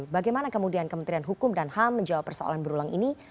bagaimana kemudian kementerian hukum dan ham menjawab persoalan berulang ini